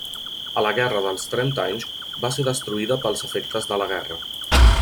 A la Guerra dels Trenta Anys va ser destruïda pels efectes de la guerra.